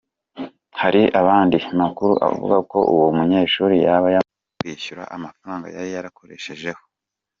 Hari andi makuru avuga ko uwo munyeshuri yaba yamaze kwishyura amafaranga yari yarakoreshejeho.